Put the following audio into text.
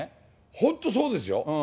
本当そうですよ。